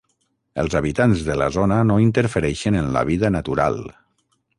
Els habitants de la zona no interfereixen en la vida natural.